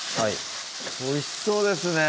おいしそうですね